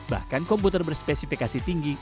bahkan komputer berspesifikasi tinggi